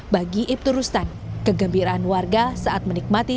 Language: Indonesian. bagi ibturustan kegembiraan warga saat menikmati